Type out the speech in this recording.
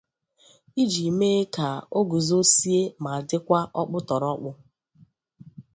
iji mee ka o guzosie ma dịkwa ọkpụtọrọkpụ.